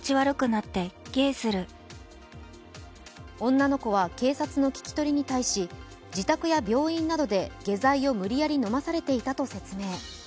女の子は警察の聞き取りに対し、自宅や病院などで下剤を無理やり飲まされていたと説明。